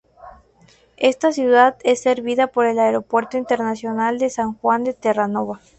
Esta ciudad es servida por el Aeropuerto Internacional de San Juan de Terranova.